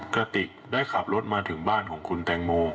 กระติกได้ขับรถมาถึงบ้านของคุณแตงโม